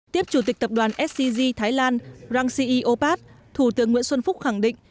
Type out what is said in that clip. tiếp chủ tịch tập đoàn scg thái lan rangsi e opat thủ tướng nguyễn xuân phúc khẳng định